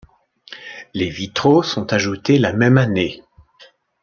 Les vitraux sont ajoutés la même année.